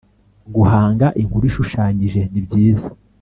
Guhanga inkuru ishushanyije nibyiza